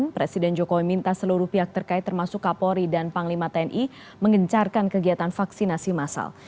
presiden jokowi minta seluruh pihak terkait termasuk kapolri dan panglima tni mengencarkan kegiatan vaksinasi massal